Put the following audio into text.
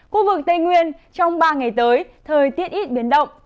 khu vực tây nguyên trong ba ngày tới thời tiết ít biến động